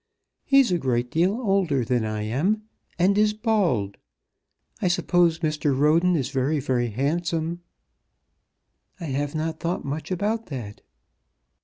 He is a great deal older than I am, and is bald. I suppose Mr. Roden is very, very handsome?" "I have not thought much about that."